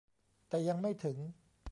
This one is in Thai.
แต่ยังไม่ถึง